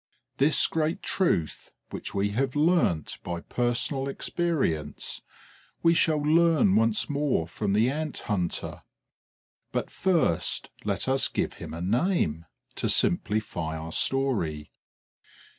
This great truth, which we have learnt by personal experience, we shall learn once more from the Ant hunter. But first let us give him a name, to simplify our story.